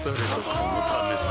このためさ